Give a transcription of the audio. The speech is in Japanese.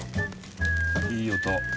いい音。